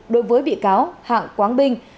đối với bị cáo hạng quáng binh